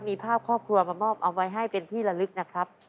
มีภาพครอบครัวมามอบเอาไว้ให้เป็นที่ละลึกนะครับ